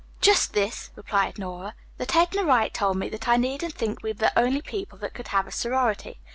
"Just this," replied Nora. "That Edna Wright told me, that I needn't think we were the only people that could have a sorority.